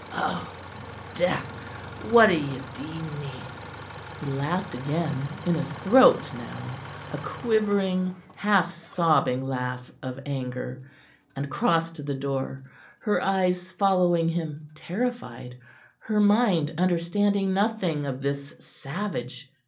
Oh, s'death! What d'ye deem me?" He laughed again in his throat now, a quivering; half sobbing laugh of anger and crossed to the door, her eyes following him, terrified; her mind understanding nothing of this savage.